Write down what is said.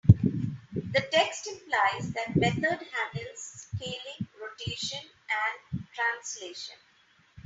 The text implies that method handles scaling, rotation, and translation.